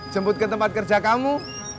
jemput ke tempat kerja kamu